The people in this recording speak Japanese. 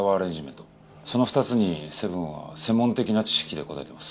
その２つにセブンは専門的な知識で答えています。